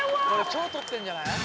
・超取ってんじゃない？